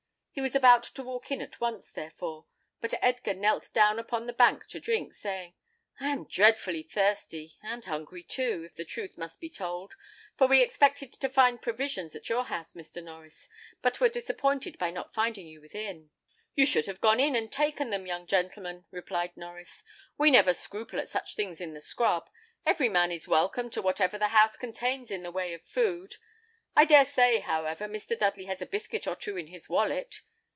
He was about to walk in at once, therefore, but Edgar knelt down upon the bank to drink, saying, "I am dreadfully thirsty, and hungry too, if the truth must be told; for we expected to find provisions at your house, Mr. Norries, but were disappointed by not finding you within." "You should have gone in and taken them, young gentleman," replied Norries; "we never scruple at such things in the scrub. Every man is welcome to whatever the house contains in the way of food. I dare say, however, Mr. Dudley has a biscuit or two in his wallet.